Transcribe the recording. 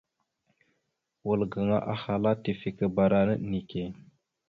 Wal gaŋa ala : tifekeberánaɗ neke.